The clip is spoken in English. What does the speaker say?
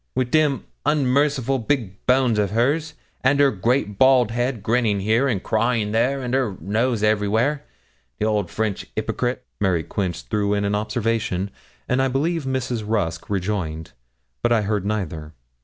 with them unmerciful big bones of hers, and her great bald head, grinning here, and crying there, and her nose everywhere. The old French hypocrite!' Mary Quince threw in an observation, and I believe Mrs. Rusk rejoined, but I heard neither.